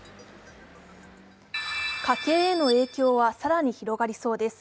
家計への影響は更に広がりそうです。